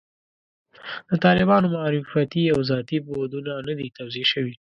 د طالبانو معرفتي او ذاتي بعدونه نه دي توضیح شوي.